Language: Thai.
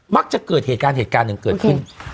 มักจะเกิดเหตุการณ์เหตุการณ์หนึ่งเกิดขึ้น